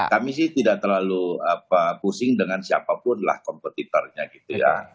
kami sih tidak terlalu pusing dengan siapapun lah kompetitornya gitu ya